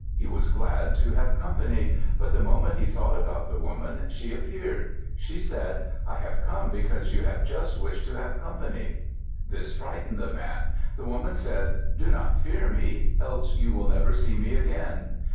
He was glad to have company. But the moment he thought about the woman, she appeared. She said, "I have come because you have just wished to have company." This frightened the man. The woman said, "Do not fear me; else you will never see me again."